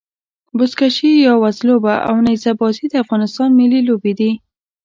بزکشي يا وزلوبه او نيزه بازي د افغانستان ملي لوبي دي.